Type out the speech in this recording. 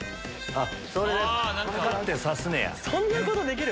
あっ！